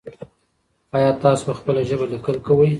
ایا تاسو په خپله ژبه لیکل کوئ؟